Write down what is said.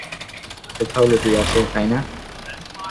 কোথাও লুকিয়ে আছে, তাই না?